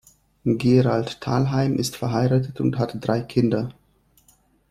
Gerald Thalheim ist verheiratet und hat drei Kinder.